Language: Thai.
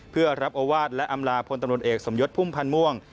เพื่อรับโอวาสและอำลาพลตำรวจเอกสมยศพุ่มพันธ์ม่วง